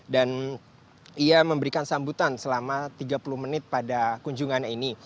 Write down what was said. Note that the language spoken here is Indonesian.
dan ia memberikan sambutan selama tiga puluh menit pada kunjungannya ini